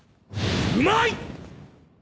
うまい！！